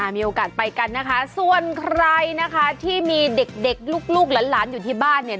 มีโอกาสไปกันนะคะส่วนใครนะคะที่มีเด็กลูกหลานอยู่ที่บ้านเนี่ย